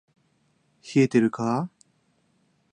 冷えてるか～